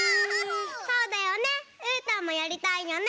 そうだよねうーたんもやりたいよね。